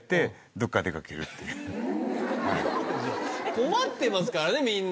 困ってますからねみんな。